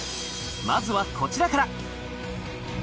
まずはこちらから。